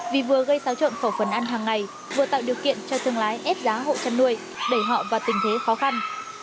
vì vừa gây xáo trộn khẩu phần ăn hàng ngày vừa tạo điều kiện cho thương lái ép giá hộ chăn nuôi đẩy họ vào tình thế khó khăn